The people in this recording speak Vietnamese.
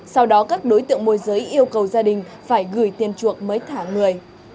sau đó các đối tượng môi giới yêu cầu gia đình phải gửi tiền chuộc mới thả người